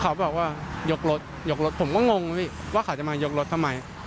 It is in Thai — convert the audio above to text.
เขาบอกว่ายกรถยกรถผมก็งงพี่ว่าเขาจะมายกรถทำไม